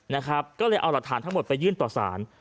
นะครับก็เลยเอาหลักฐานทั้งหมดไปยื่นต่อสาร